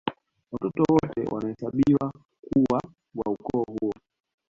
Watoto wote wanahesabiwa kuwa wa ukoo huo